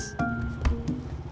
neng udah ada yang lo senengrok